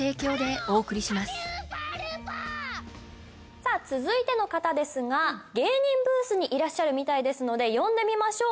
さぁ続いての方ですが芸人ブースにいらっしゃるみたいですので呼んでみましょう。